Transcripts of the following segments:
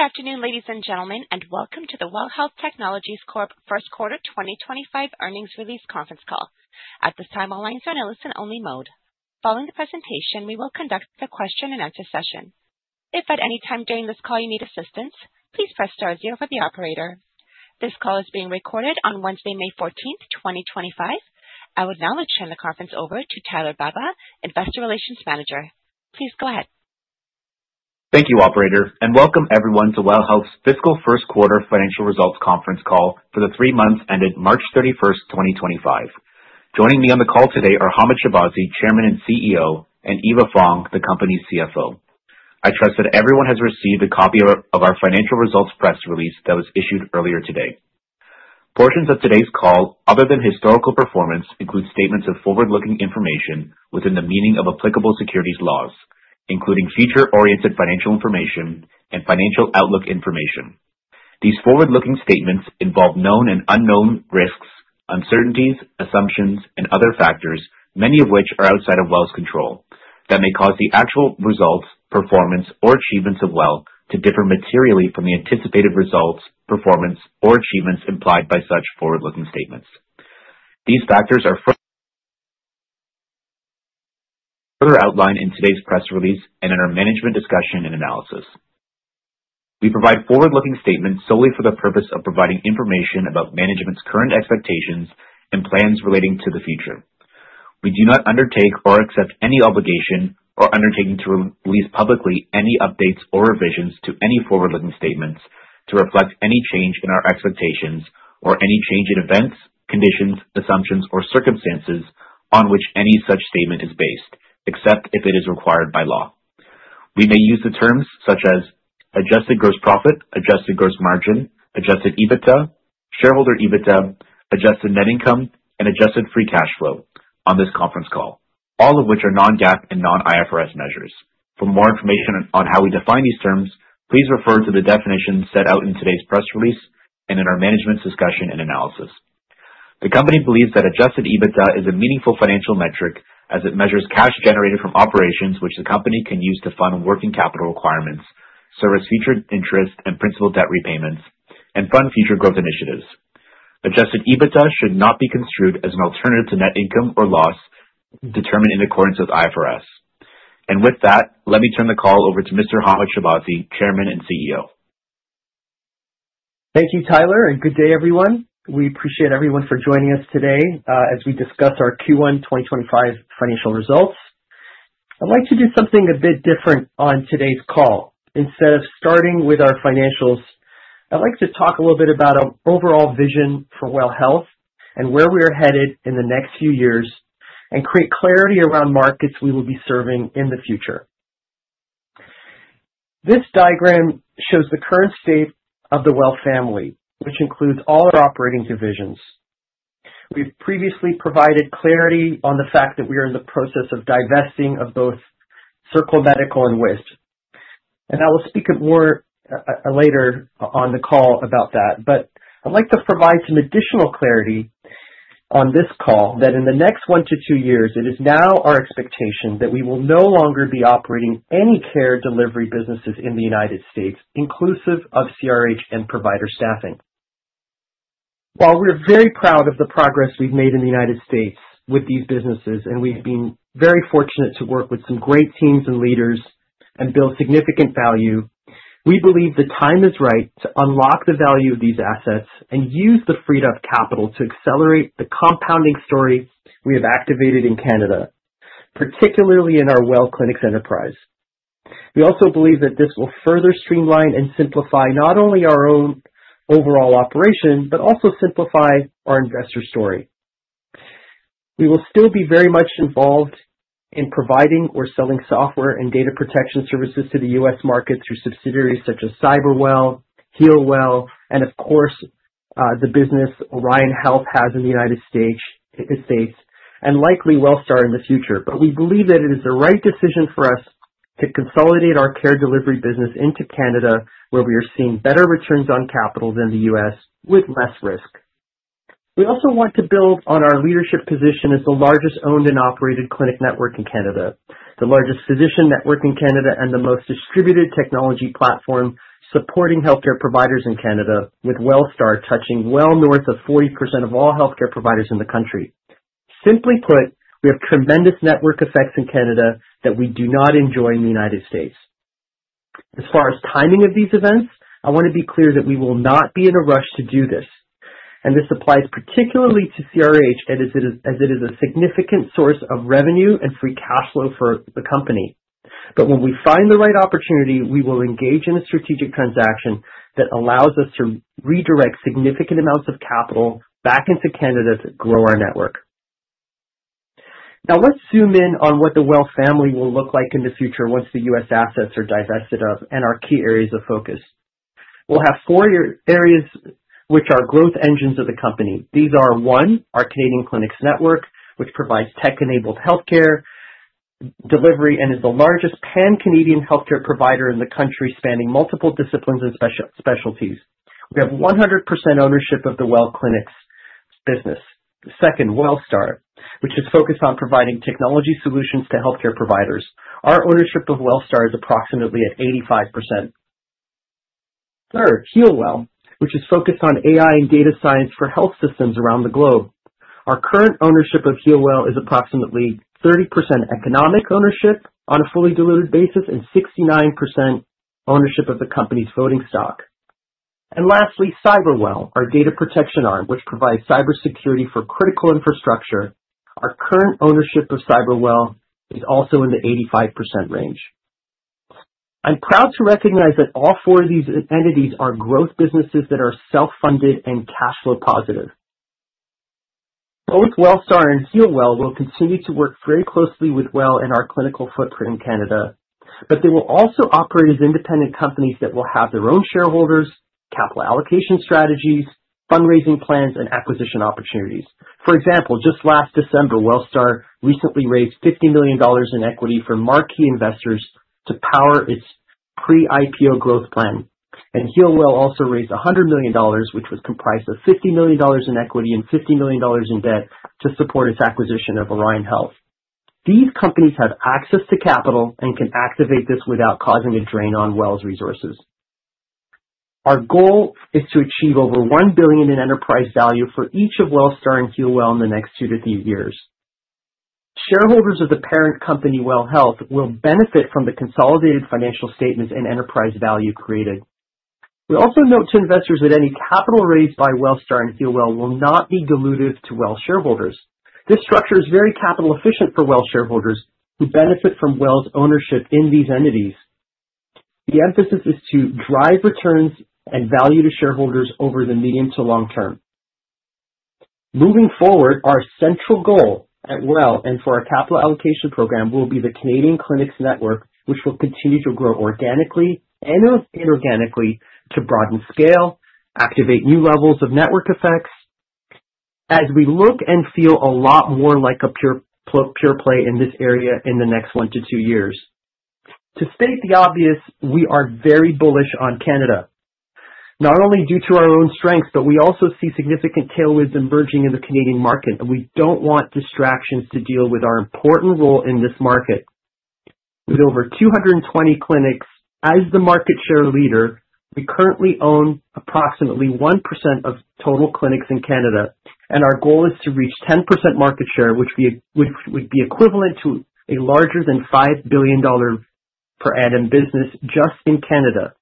Good afternoon, ladies and gentlemen, and welcome to the WELL Health Technologies first quarter 2025 earnings release conference call. At this time, all lines are in a listen-only mode. Following the presentation, we will conduct a question-and-answer session. If at any time during this call you need assistance, please press star zero for the operator. This call is being recorded on Wednesday, May 14th, 2025. I would now like to turn the conference over to Tyler Baba, Investor Relations Manager. Please go ahead. Thank you, Operator, and welcome everyone to WELL Health's fiscal first quarter financial results conference call for the three months ended March 31, 2025. Joining me on the call today are Hamed Shahbazi, Chairman and CEO, and Eva Fong, the company's CFO. I trust that everyone has received a copy of our financial results press release that was issued earlier today. Portions of today's call, other than historical performance, include statements of forward-looking information within the meaning of applicable securities laws, including future-oriented financial information and financial outlook information. These forward-looking statements involve known and unknown risks, uncertainties, assumptions, and other factors, many of which are outside of WELL's control, that may cause the actual results, performance, or achievements of WELL to differ materially from the anticipated results, performance, or achievements implied by such forward-looking statements. These factors are further outlined in today's press release and in our management discussion and analysis. We provide forward-looking statements solely for the purpose of providing information about management's current expectations and plans relating to the future. We do not undertake or accept any obligation or undertake to release publicly any updates or revisions to any forward-looking statements to reflect any change in our expectations or any change in events, conditions, assumptions, or circumstances on which any such statement is based, except if it is required by law. We may use the terms such as adjusted gross profit, adjusted gross margin, adjusted EBITDA, shareholder EBITDA, adjusted net income, and adjusted free cash flow on this conference call, all of which are non-GAAP and non-IFRS measures. For more information on how we define these terms, please refer to the definitions set out in today's press release and in our management's discussion and analysis. The company believes that adjusted EBITDA is a meaningful financial metric as it measures cash generated from operations, which the company can use to fund working capital requirements, service future interest and principal debt repayments, and fund future growth initiatives. Adjusted EBITDA should not be construed as an alternative to net income or loss determined in accordance with IFRS. With that, let me turn the call over to Mr. Hamed Shahbazi, Chairman and CEO. Thank you, Tyler, and good day, everyone. We appreciate everyone for joining us today as we discuss our Q1 2025 financial results. I'd like to do something a bit different on today's call. Instead of starting with our financials, I'd like to talk a little bit about our overall vision for WELL Health and where we are headed in the next few years and create clarity around markets we will be serving in the future. This diagram shows the current state of the WELL family, which includes all our operating divisions. We've previously provided clarity on the fact that we are in the process of divesting of both Circle Medical and WISP, and I will speak more later on the call about that. I'd like to provide some additional clarity on this call that in the next one to two years, it is now our expectation that we will no longer be operating any care delivery businesses in the United States, inclusive of CRH and provider staffing. While we're very proud of the progress we've made in the United States with these businesses, and we've been very fortunate to work with some great teams and leaders and build significant value, we believe the time is right to unlock the value of these assets and use the freed-up capital to accelerate the compounding story we have activated in Canada, particularly in our WELL Clinics enterprise. We also believe that this will further streamline and simplify not only our own overall operation, but also simplify our investor story. We will still be very much involved in providing or selling software and data protection services to the U.S. market through subsidiaries such as CyberWell, HealWell, and of course, the business Orion Health has in the United States and likely WELL Star in the future. We believe that it is the right decision for us to consolidate our care delivery business into Canada, where we are seeing better returns on capital than the U.S. with less risk. We also want to build on our leadership position as the largest owned and operated clinic network in Canada, the largest physician network in Canada, and the most distributed technology platform supporting healthcare providers in Canada, with WELL Star touching well north of 40% of all healthcare providers in the country. Simply put, we have tremendous network effects in Canada that we do not enjoy in the United States. As far as timing of these events, I want to be clear that we will not be in a rush to do this, and this applies particularly to CRH as it is a significant source of revenue and free cash flow for the company. When we find the right opportunity, we will engage in a strategic transaction that allows us to redirect significant amounts of capital back into Canada to grow our network. Now, let's zoom in on what the WELL family will look like in the future once the U.S. assets are divested of and our key areas of focus. We'll have four areas which are growth engines of the company. These are, one, our Canadian clinics network, which provides tech-enabled healthcare delivery and is the largest pan-Canadian healthcare provider in the country, spanning multiple disciplines and specialties. We have 100% ownership of the WELL Clinics business. Second, WELL Star, which is focused on providing technology solutions to healthcare providers. Our ownership of WELL Star is approximately at 85%. Third, HealWell, which is focused on AI and data science for health systems around the globe. Our current ownership of HealWell is approximately 30% economic ownership on a fully diluted basis and 69% ownership of the company's voting stock. Lastly, CyberWell, our data protection arm, which provides cybersecurity for critical infrastructure. Our current ownership of CyberWell is also in the 85% range. I'm proud to recognize that all four of these entities are growth businesses that are self-funded and cash flow positive. Both WELL Star and HealWell will continue to work very closely with WELL and our clinical footprint in Canada, but they will also operate as independent companies that will have their own shareholders, capital allocation strategies, fundraising plans, and acquisition opportunities. For example, just last December, WELL Star recently raised 50 million dollars in equity from marquee investors to power its pre-IPO growth plan. HealWell also raised 100 million dollars, which was comprised of 50 million dollars in equity and 50 million dollars in debt to support its acquisition of Orion Health. These companies have access to capital and can activate this without causing a drain on WELL's resources. Our goal is to achieve over 1 billion in enterprise value for each of WELL Star and HealWell in the next two to three years. Shareholders of the parent company, WELL Health, will benefit from the consolidated financial statements and enterprise value created. We also note to investors that any capital raised by WELL Star and HealWell will not be diluted to WELL shareholders. This structure is very capital efficient for WELL shareholders who benefit from WELL's ownership in these entities. The emphasis is to drive returns and value to shareholders over the medium to long term. Moving forward, our central goal at WELL and for our capital allocation program will be the Canadian clinics network, which will continue to grow organically and inorganically to broaden scale, activate new levels of network effects as we look and feel a lot more like a pure play in this area in the next one to two years. To state the obvious, we are very bullish on Canada, not only due to our own strengths, but we also see significant tailwinds emerging in the Canadian market, and we do not want distractions to deal with our important role in this market. With over 220 clinics as the market share leader, we currently own approximately 1% of total clinics in Canada, and our goal is to reach 10% market share, which would be equivalent to a larger than 5 billion dollar per annum business just in Canada,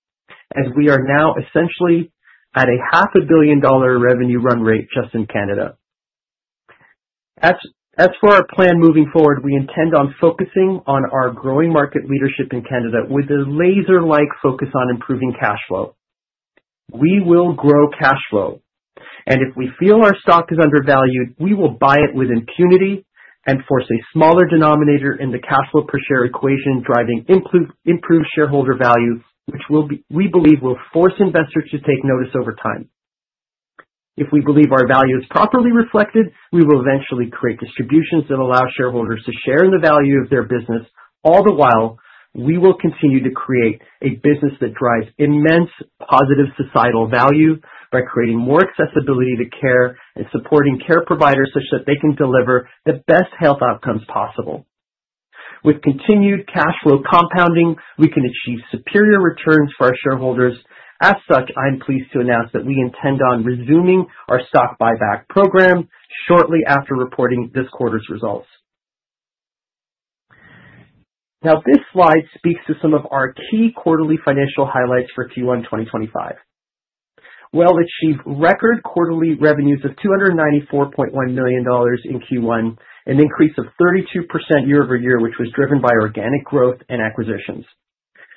as we are now essentially at a 500 million dollar revenue run rate just in Canada. As for our plan moving forward, we intend on focusing on our growing market leadership in Canada with a laser-like focus on improving cash flow. We will grow cash flow, and if we feel our stock is undervalued, we will buy it with impunity and force a smaller denominator in the cash flow per share equation, driving improved shareholder value, which we believe will force investors to take notice over time. If we believe our value is properly reflected, we will eventually create distributions that allow shareholders to share in the value of their business. All the while, we will continue to create a business that drives immense positive societal value by creating more accessibility to care and supporting care providers such that they can deliver the best health outcomes possible. With continued cash flow compounding, we can achieve superior returns for our shareholders. As such, I'm pleased to announce that we intend on resuming our stock buyback program shortly after reporting this quarter's results. Now, this slide speaks to some of our key quarterly financial highlights for Q1 2025. WELL achieved record quarterly revenues of 294.1 million dollars in Q1, an increase of 32% year-over-year, which was driven by organic growth and acquisitions.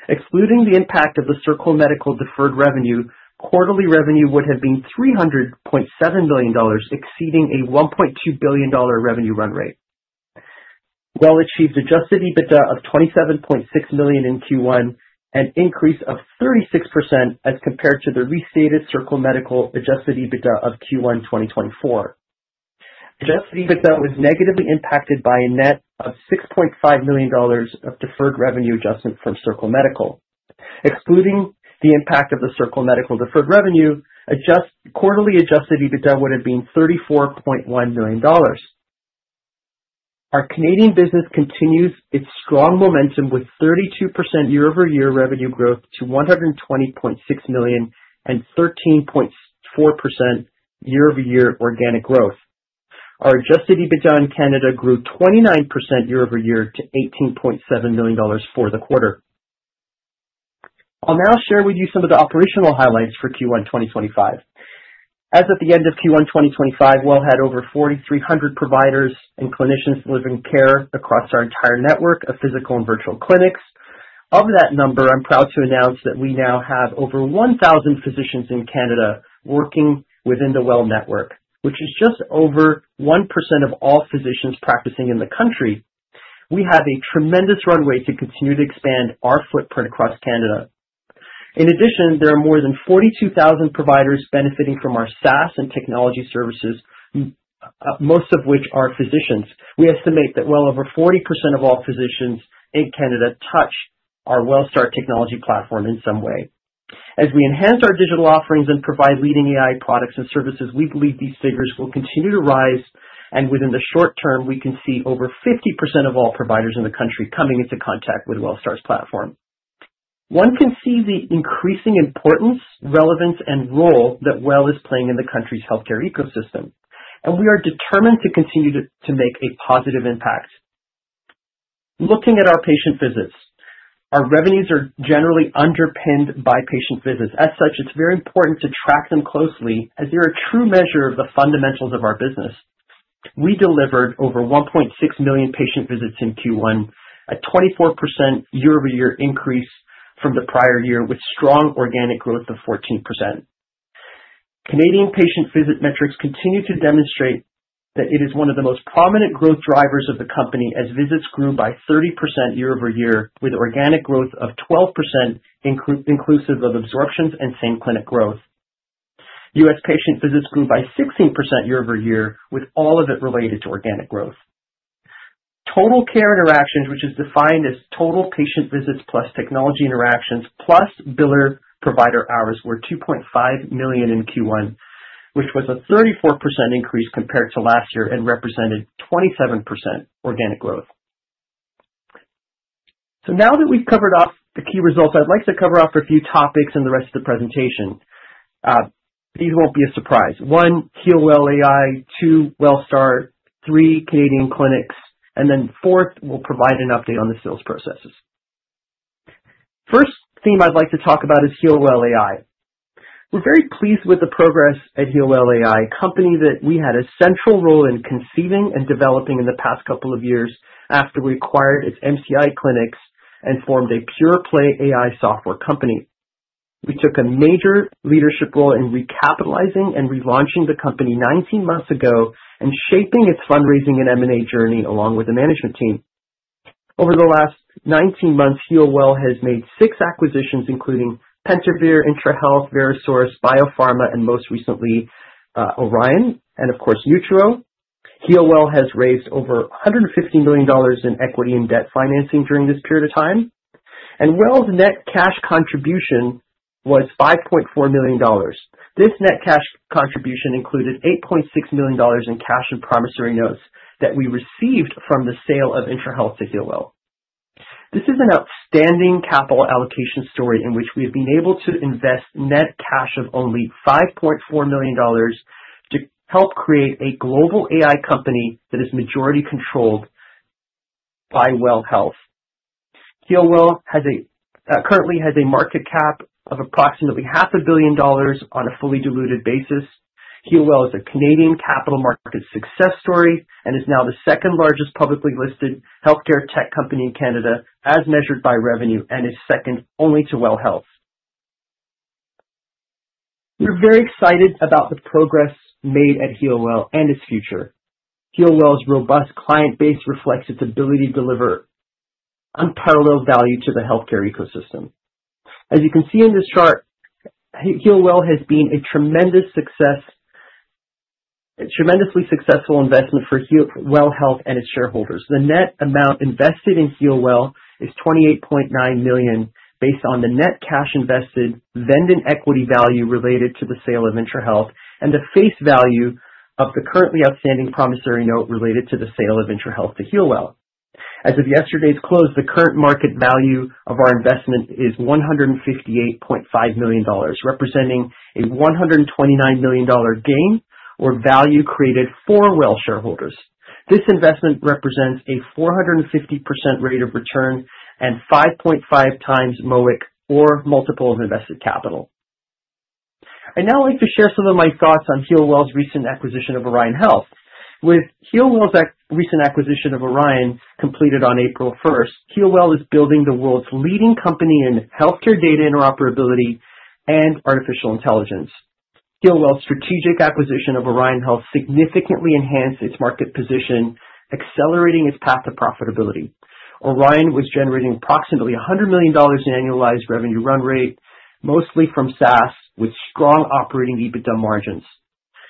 Excluding the impact of the Circle Medical deferred revenue, quarterly revenue would have been 300.7 million dollars, exceeding a 1.2 billion dollar revenue run rate. WELL achieved adjusted EBITDA of 27.6 million in Q1, an increase of 36% as compared to the restated Circle Medical adjusted EBITDA of Q1 2024. Adjusted EBITDA was negatively impacted by a net of 6.5 million dollars of deferred revenue adjustment from Circle Medical. Excluding the impact of the Circle Medical deferred revenue, quarterly adjusted EBITDA would have been 34.1 million dollars. Our Canadian business continues its strong momentum with 32% year-over-year revenue growth to 120.6 million and 13.4% year-over-year organic growth. Our adjusted EBITDA in Canada grew 29% year-over-year to 18.7 million dollars for the quarter. I'll now share with you some of the operational highlights for Q1 2025. As at the end of Q1 2025, WELL had over 4,300 providers and clinicians delivering care across our entire network of physical and virtual clinics. Of that number, I'm proud to announce that we now have over 1,000 physicians in Canada working within the WELL network, which is just over 1% of all physicians practicing in the country. We have a tremendous runway to continue to expand our footprint across Canada. In addition, there are more than 42,000 providers benefiting from our SaaS and technology services, most of which are physicians. We estimate that well over 40% of all physicians in Canada touch our WELL Star technology platform in some way. As we enhance our digital offerings and provide leading AI products and services, we believe these figures will continue to rise, and within the short term, we can see over 50% of all providers in the country coming into contact with WELL Star's platform. One can see the increasing importance, relevance, and role that WELL is playing in the country's healthcare ecosystem, and we are determined to continue to make a positive impact. Looking at our patient visits, our revenues are generally underpinned by patient visits. As such, it's very important to track them closely as they are a true measure of the fundamentals of our business. We delivered over 1.6 million patient visits in Q1, a 24% year-over-year increase from the prior year with strong organic growth of 14%. Canadian patient visit metrics continue to demonstrate that it is one of the most prominent growth drivers of the company as visits grew by 30% year-over-year, with organic growth of 12% inclusive of absorptions and same clinic growth. U.S. patient visits grew by 16% year-over-year, with all of it related to organic growth. Total care interactions, which is defined as total patient visits plus technology interactions plus biller provider hours, were 2.5 million in Q1, which was a 34% increase compared to last year and represented 27% organic growth. Now that we've covered off the key results, I'd like to cover off a few topics in the rest of the presentation. These won't be a surprise. One, HealWell AI; two, WELL Star; three, Canadian clinics; and then fourth, we'll provide an update on the sales processes. First theme I'd like to talk about is HealWell AI. We're very pleased with the progress at HealWell AI, a company that we had a central role in conceiving and developing in the past couple of years after we acquired its MCI clinics and formed a pure play AI software company. We took a major leadership role in recapitalizing and relaunching the company 19 months ago and shaping its fundraising and M&A journey along with the management team. Over the last 19 months, HealWell has made six acquisitions, including Pentavir, IntraHealth, Verisource, BioPharma, and most recently, Orion and, of course, Nutro. HealWell has raised over 150 million dollars in equity and debt financing during this period of time, and WELL's net cash contribution was 5.4 million dollars. This net cash contribution included 8.6 million dollars in cash and promissory notes that we received from the sale of IntraHealth to HealWell. This is an outstanding capital allocation story in which we have been able to invest net cash of only 5.4 million dollars to help create a global AI company that is majority controlled by WELL Health. HealWell currently has a market cap of approximately 500,000,000 dollars on a fully diluted basis. HealWell is a Canadian capital market success story and is now the second largest publicly listed healthcare tech company in Canada as measured by revenue and is second only to WELL Health. We're very excited about the progress made at HealWell and its future. HealWell's robust client base reflects its ability to deliver unparalleled value to the healthcare ecosystem. As you can see in this chart, HealWell has been a tremendously successful investment for WELL Health and its shareholders. The net amount invested in HealWell is 28.9 million based on the net cash invested, vending equity value related to the sale of IntraHealth, and the face value of the currently outstanding promissory note related to the sale of IntraHealth to HealWell. As of yesterday's close, the current market value of our investment is 158.5 million dollars, representing a 129 million dollar gain or value created for WELL shareholders. This investment represents a 450% rate of return and 5.5 times MOIC or multiple of invested capital. I'd now like to share some of my thoughts on HealWell's recent acquisition of Orion Health. With HealWell's recent acquisition of Orion completed on April 1st, HealWell is building the world's leading company in healthcare data interoperability and artificial intelligence. HealWell's strategic acquisition of Orion Health significantly enhanced its market position, accelerating its path to profitability. Orion was generating approximately 100 million dollars in annualized revenue run rate, mostly from SaaS, with strong operating EBITDA margins.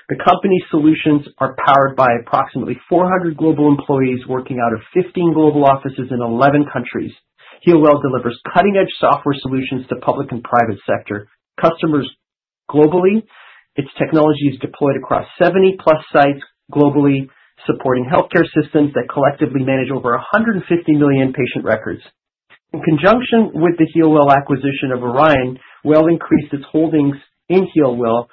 The company's solutions are powered by approximately 400 global employees working out of 15 global offices in 11 countries. HealWell delivers cutting-edge software solutions to public and private sector customers globally. Its technology is deployed across 70 plus sites globally, supporting healthcare systems that collectively manage over 150 million patient records. In conjunction with the HealWell acquisition of Orion, WELL increased its holdings in HealWell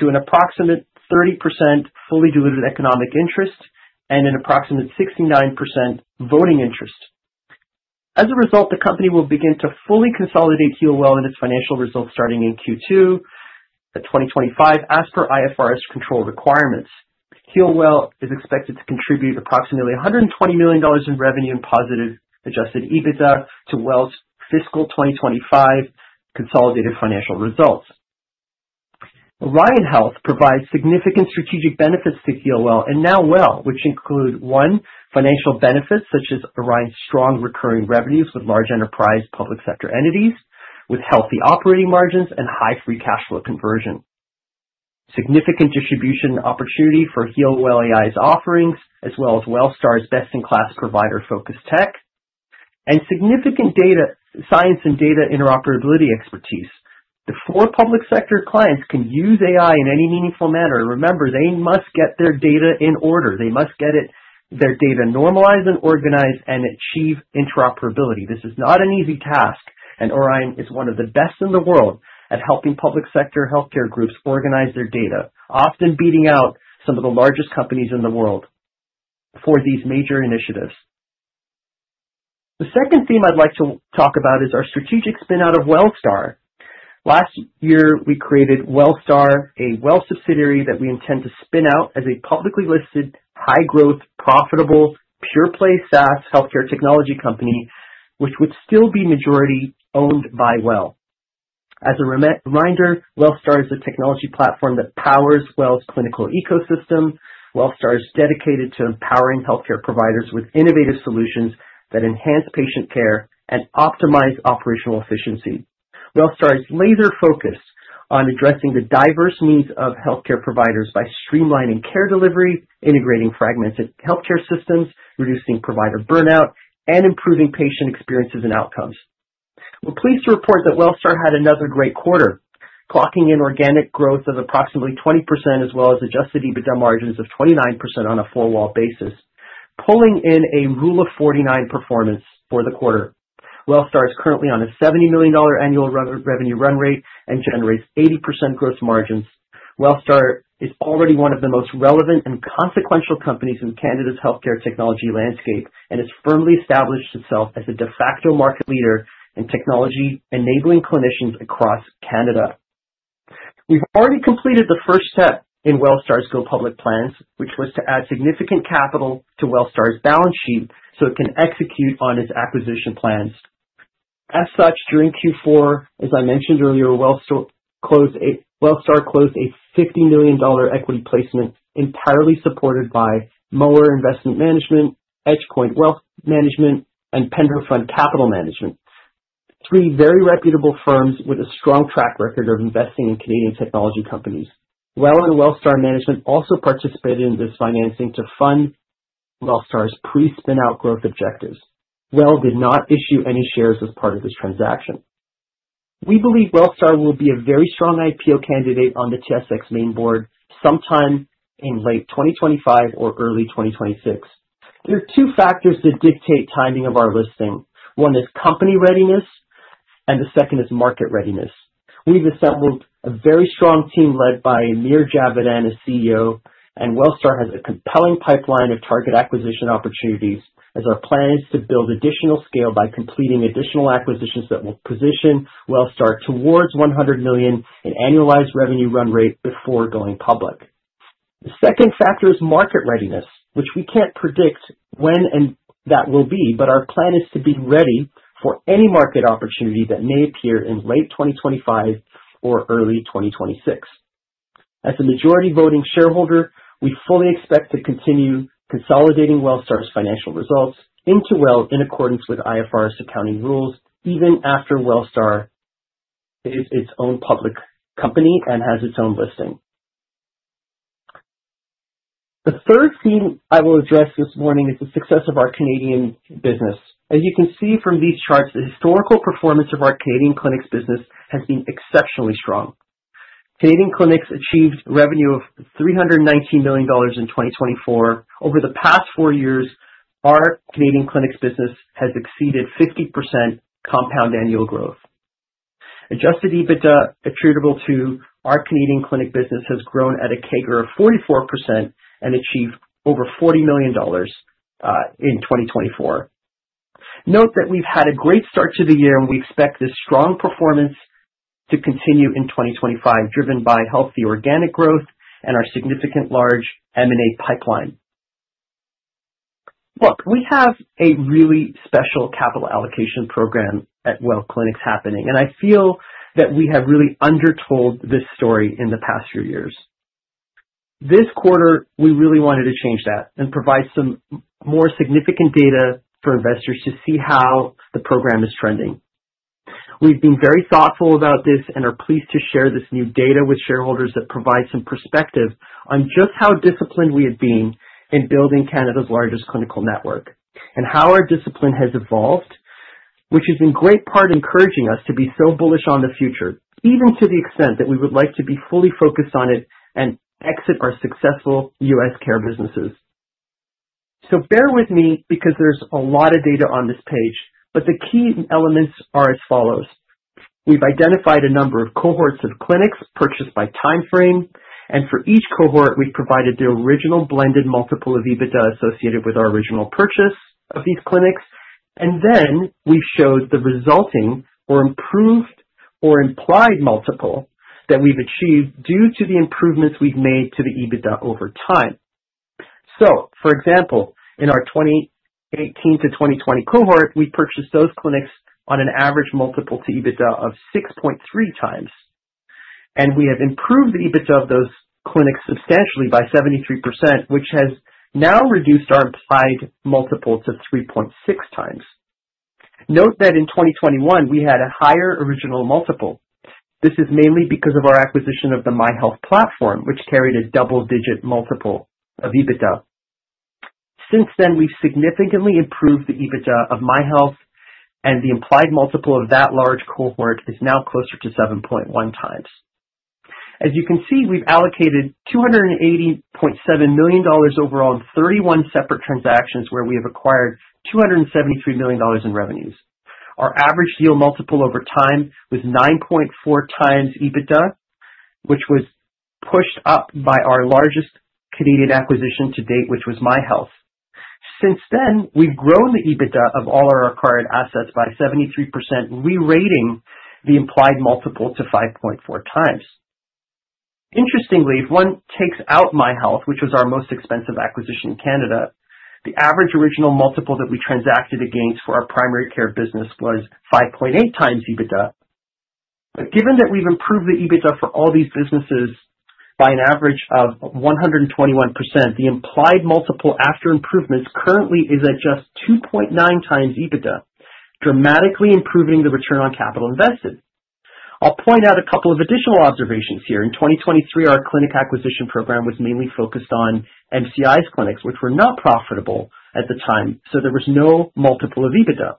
to an approximate 30% fully diluted economic interest and an approximate 69% voting interest. As a result, the company will begin to fully consolidate HealWell in its financial results starting in Q2 2025 as per IFRS control requirements. HealWell is expected to contribute approximately 120 million dollars in revenue and positive adjusted EBITDA to WELL's fiscal 2025 consolidated financial results. Orion Health provides significant strategic benefits to HealWell and now WELL, which include: one, financial benefits such as Orion's strong recurring revenues with large enterprise public sector entities, with healthy operating margins and high free cash flow conversion; significant distribution opportunity for HealWell AI's offerings, as well as WELL Star's best-in-class provider-focused tech; and significant data science and data interoperability expertise. The four public sector clients can use AI in any meaningful manner. Remember, they must get their data in order. They must get their data normalized and organized and achieve interoperability. This is not an easy task, and Orion is one of the best in the world at helping public sector healthcare groups organize their data, often beating out some of the largest companies in the world for these major initiatives. The second theme I'd like to talk about is our strategic spin-out of WELL Star. Last year, we created WELL Star, a WELL subsidiary that we intend to spin out as a publicly listed high-growth, profitable pure play SaaS healthcare technology company, which would still be majority owned by WELL. As a reminder, WELL Star is a technology platform that powers WELL's clinical ecosystem. WELL Star is dedicated to empowering healthcare providers with innovative solutions that enhance patient care and optimize operational efficiency. WELL Star is laser-focused on addressing the diverse needs of healthcare providers by streamlining care delivery, integrating fragmented healthcare systems, reducing provider burnout, and improving patient experiences and outcomes. We're pleased to report that WELL Star had another great quarter, clocking in organic growth of approximately 20%, as well as adjusted EBITDA margins of 29% on a four-wall basis, pulling in a rule of 49 performance for the quarter. WELL Star is currently on a 70 million dollar annual revenue run rate and generates 80% gross margins. WELL Star is already one of the most relevant and consequential companies in Canada's healthcare technology landscape and has firmly established itself as a de facto market leader in technology enabling clinicians across Canada. We have already completed the first step in WELL Star's go public plans, which was to add significant capital to WELL Star's balance sheet so it can execute on its acquisition plans. As such, during Q4, as I mentioned earlier, WELL Star closed a 50 million dollar equity placement entirely supported by Moer Investment Management, EdgePoint Wealth Management, and Penderfund Capital Management, three very reputable firms with a strong track record of investing in Canadian technology companies. WELL and WELL Star Management also participated in this financing to fund WELL Star's pre-spin-out growth objectives. WELL did not issue any shares as part of this transaction. We believe WELL Star will be a very strong IPO candidate on the TSX mainboard sometime in late 2025 or early 2026. There are two factors that dictate timing of our listing. One is company readiness, and the second is market readiness. We've assembled a very strong team led by Amir Javedan, a CEO, and WELL Star has a compelling pipeline of target acquisition opportunities as our plan is to build additional scale by completing additional acquisitions that will position WELL Star towards 100 million in annualized revenue run rate before going public. The second factor is market readiness, which we can't predict when that will be, but our plan is to be ready for any market opportunity that may appear in late 2025 or early 2026. As a majority voting shareholder, we fully expect to continue consolidating WELL Star's financial results into WELL in accordance with IFRS accounting rules, even after WELL Star is its own public company and has its own listing. The third theme I will address this morning is the success of our Canadian business. As you can see from these charts, the historical performance of our Canadian clinics business has been exceptionally strong. Canadian clinics achieved revenue of 319 million dollars in 2024. Over the past four years, our Canadian clinics business has exceeded 50% compound annual growth. Adjusted EBITDA attributable to our Canadian clinic business has grown at a CAGR of 44% and achieved over 40 million dollars in 2024. Note that we've had a great start to the year, and we expect this strong performance to continue in 2025, driven by healthy organic growth and our significant large M&A pipeline. Look, we have a really special capital allocation program at WELL Clinics happening, and I feel that we have really undertold this story in the past few years. This quarter, we really wanted to change that and provide some more significant data for investors to see how the program is trending. We've been very thoughtful about this and are pleased to share this new data with shareholders that provides some perspective on just how disciplined we have been in building Canada's largest clinical network and how our discipline has evolved, which is in great part encouraging us to be so bullish on the future, even to the extent that we would like to be fully focused on it and exit our successful U.S. care businesses. Bear with me because there's a lot of data on this page, but the key elements are as follows. have identified a number of cohorts of clinics purchased by time frame, and for each cohort, we have provided the original blended multiple of EBITDA associated with our original purchase of these clinics, and then we have showed the resulting or improved or implied multiple that we have achieved due to the improvements we have made to the EBITDA over time. For example, in our 2018 to 2020 cohort, we purchased those clinics on an average multiple to EBITDA of 6.3 times, and we have improved the EBITDA of those clinics substantially by 73%, which has now reduced our implied multiple to 3.6 times. Note that in 2021, we had a higher original multiple. This is mainly because of our acquisition of the MyHealth platform, which carried a double-digit multiple of EBITDA. Since then, we've significantly improved the EBITDA of MyHealth, and the implied multiple of that large cohort is now closer to 7.1 times. As you can see, we've allocated 280.7 million dollars overall in 31 separate transactions where we have acquired 273 million dollars in revenues. Our average yield multiple over time was 9.4 times EBITDA, which was pushed up by our largest Canadian acquisition to date, which was MyHealth. Since then, we've grown the EBITDA of all our acquired assets by 73%, re-rating the implied multiple to 5.4 times. Interestingly, if one takes out MyHealth, which was our most expensive acquisition in Canada, the average original multiple that we transacted against for our primary care business was 5.8 times EBITDA. Given that we've improved the EBITDA for all these businesses by an average of 121%, the implied multiple after improvements currently is at just 2.9 times EBITDA, dramatically improving the return on capital invested. I'll point out a couple of additional observations here. In 2023, our clinic acquisition program was mainly focused on MCI clinics, which were not profitable at the time, so there was no multiple of EBITDA.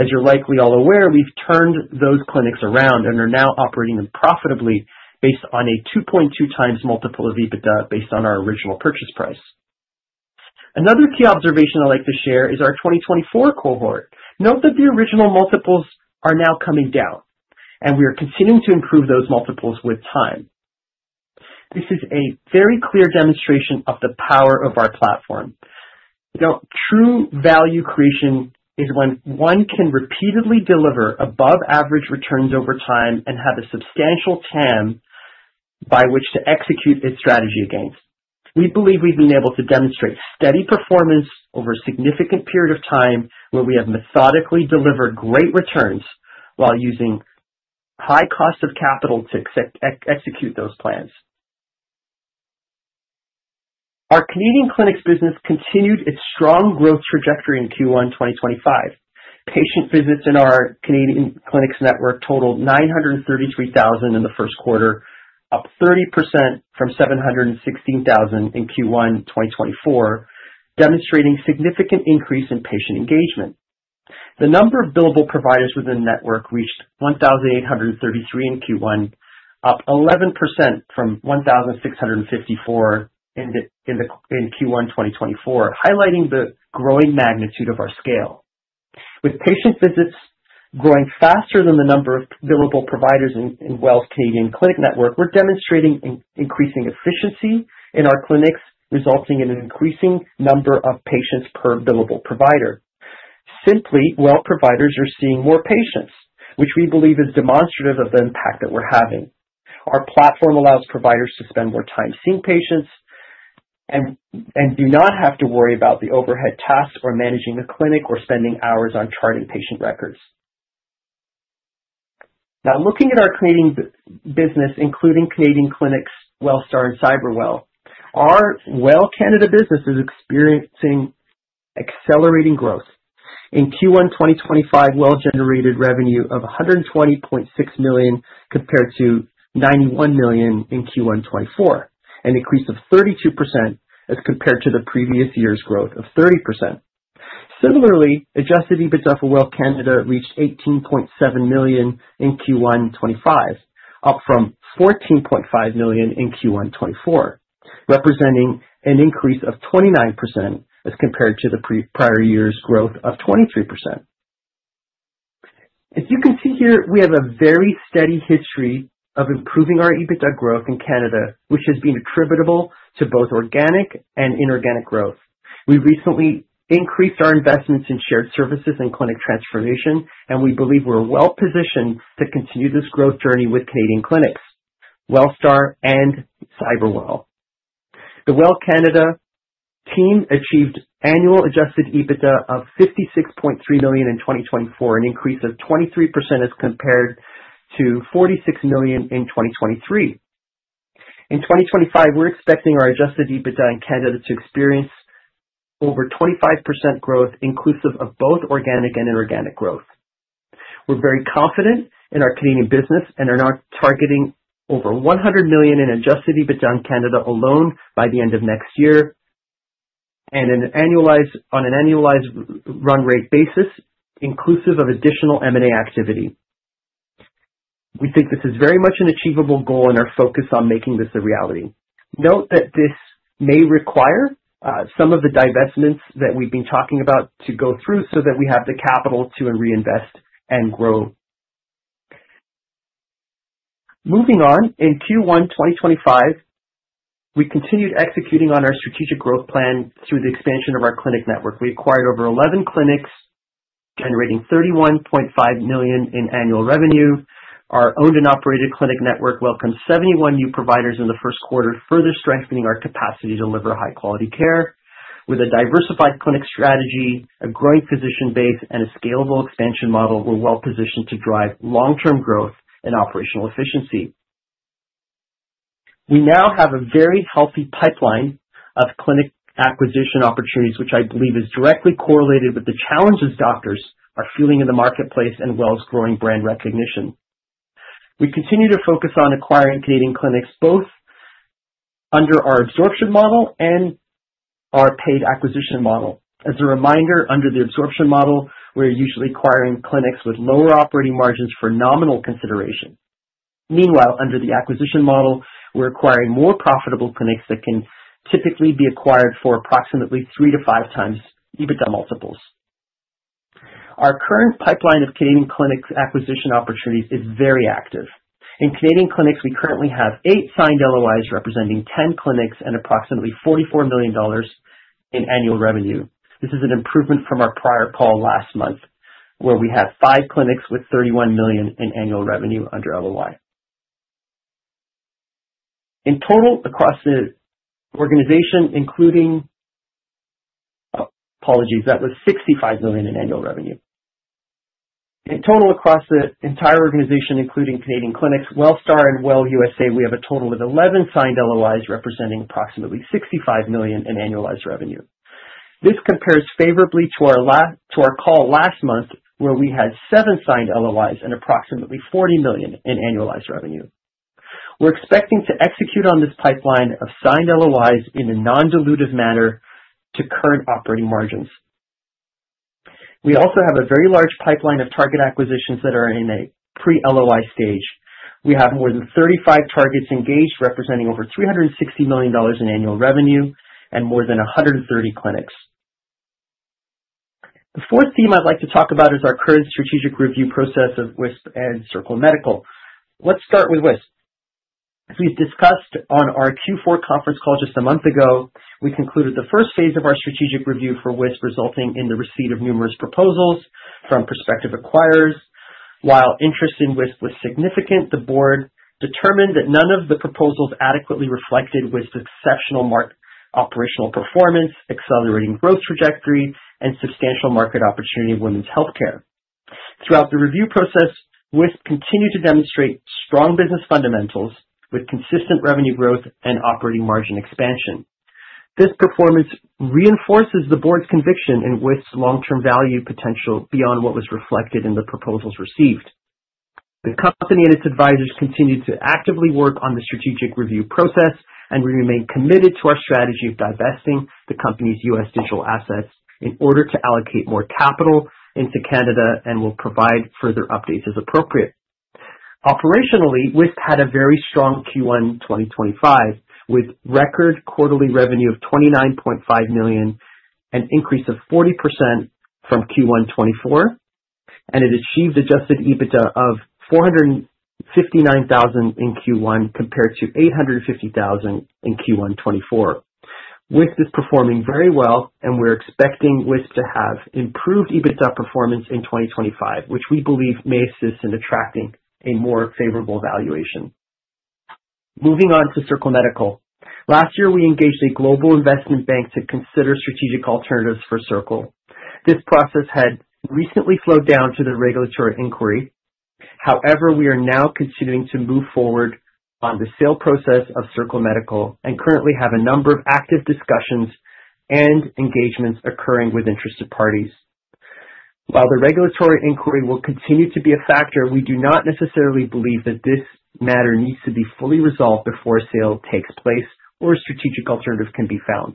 As you're likely all aware, we've turned those clinics around and are now operating profitably based on a 2.2 times multiple of EBITDA based on our original purchase price. Another key observation I'd like to share is our 2024 cohort. Note that the original multiples are now coming down, and we are continuing to improve those multiples with time. This is a very clear demonstration of the power of our platform. True value creation is when one can repeatedly deliver above-average returns over time and have a substantial TAM by which to execute its strategy against. We believe we've been able to demonstrate steady performance over a significant period of time where we have methodically delivered great returns while using high cost of capital to execute those plans. Our Canadian clinics business continued its strong growth trajectory in Q1 2025. Patient visits in our Canadian clinics network totaled 933,000 in the first quarter, up 30% from 716,000 in Q1 2024, demonstrating significant increase in patient engagement. The number of billable providers within the network reached 1,833 in Q1, up 11% from 1,654 in Q1 2024, highlighting the growing magnitude of our scale. With patient visits growing faster than the number of billable providers in WELL's Canadian clinic network, we're demonstrating increasing efficiency in our clinics, resulting in an increasing number of patients per billable provider. Simply, WELL providers are seeing more patients, which we believe is demonstrative of the impact that we're having. Our platform allows providers to spend more time seeing patients and do not have to worry about the overhead tasks or managing the clinic or spending hours on charting patient records. Now, looking at our Canadian business, including Canadian clinics, WELL Star, and CyberWell, our WELL Canada business is experiencing accelerating growth. In Q1 2025, WELL generated revenue of 120.6 million compared to 91 million in Q1 2024, an increase of 32% as compared to the previous year's growth of 30%. Similarly, adjusted EBITDA for WELL Canada reached 18.7 million in Q1 2025, up from 14.5 million in Q1 2024, representing an increase of 29% as compared to the prior year's growth of 23%. As you can see here, we have a very steady history of improving our EBITDA growth in Canada, which has been attributable to both organic and inorganic growth. We recently increased our investments in shared services and clinic transformation, and we believe we're well positioned to continue this growth journey with Canadian clinics, WELL Star and CyberWell. The WELL Canada team achieved annual adjusted EBITDA of 56.3 million in 2024, an increase of 23% as compared to 46 million in 2023. In 2025, we're expecting our adjusted EBITDA in Canada to experience over 25% growth, inclusive of both organic and inorganic growth. We're very confident in our Canadian business and are now targeting over 100 million in adjusted EBITDA in Canada alone by the end of next year, and on an annualized run rate basis, inclusive of additional M&A activity. We think this is very much an achievable goal in our focus on making this a reality. Note that this may require some of the divestments that we've been talking about to go through so that we have the capital to reinvest and grow. Moving on, in Q1 2025, we continued executing on our strategic growth plan through the expansion of our clinic network. We acquired over 11 clinics, generating 31.5 million in annual revenue. Our owned and operated clinic network welcomed 71 new providers in the first quarter, further strengthening our capacity to deliver high-quality care. With a diversified clinic strategy, a growing physician base, and a scalable expansion model, we're well positioned to drive long-term growth and operational efficiency. We now have a very healthy pipeline of clinic acquisition opportunities, which I believe is directly correlated with the challenges doctors are feeling in the marketplace and WELL's growing brand recognition. We continue to focus on acquiring Canadian clinics both under our absorption model and our paid acquisition model. As a reminder, under the absorption model, we're usually acquiring clinics with lower operating margins for nominal consideration. Meanwhile, under the acquisition model, we're acquiring more profitable clinics that can typically be acquired for approximately 3-5 times EBITDA multiples. Our current pipeline of Canadian clinics acquisition opportunities is very active. In Canadian clinics, we currently have eight signed LOIs representing 10 clinics and approximately 44 million dollars in annual revenue. This is an improvement from our prior call last month, where we had five clinics with 31 million in annual revenue under LOI. In total, across the organization, including—apologies, that was 65 million in annual revenue. In total, across the entire organization, including Canadian clinics, WELL Star and WELL USA, we have a total of 11 signed LOIs representing approximately 65 million in annualized revenue. This compares favorably to our call last month, where we had seven signed LOIs and approximately 40 million in annualized revenue. We're expecting to execute on this pipeline of signed LOIs in a non-dilutive manner to current operating margins. We also have a very large pipeline of target acquisitions that are in a pre-LOI stage. We have more than 35 targets engaged, representing over 360 million dollars in annual revenue and more than 130 clinics. The fourth theme I'd like to talk about is our current strategic review process of WISP and Circle Medical. Let's start with WISP. As we've discussed on our Q4 conference call just a month ago, we concluded the first phase of our strategic review for WISP, resulting in the receipt of numerous proposals from prospective acquirers. While interest in WISP was significant, the board determined that none of the proposals adequately reflected WISP's exceptional operational performance, accelerating growth trajectory, and substantial market opportunity of women's healthcare. Throughout the review process, WISP continued to demonstrate strong business fundamentals with consistent revenue growth and operating margin expansion. This performance reinforces the board's conviction in WISP's long-term value potential beyond what was reflected in the proposals received. The company and its advisors continue to actively work on the strategic review process, and we remain committed to our strategy of divesting the company's U.S. digital assets in order to allocate more capital into Canada and will provide further updates as appropriate. Operationally, WISP had a very strong Q1 2025 with record quarterly revenue of 29.5 million and an increase of 40% from Q1 2024, and it achieved adjusted EBITDA of 459,000 in Q1 compared to 850,000 in Q1 2024. WISP is performing very well, and we're expecting WISP to have improved EBITDA performance in 2025, which we believe may assist in attracting a more favorable valuation. Moving on to Circle Medical. Last year, we engaged a global investment bank to consider strategic alternatives for Circle. This process had recently slowed down due to the regulatory inquiry. However, we are now continuing to move forward on the sale process of Circle Medical and currently have a number of active discussions and engagements occurring with interested parties. While the regulatory inquiry will continue to be a factor, we do not necessarily believe that this matter needs to be fully resolved before a sale takes place or a strategic alternative can be found.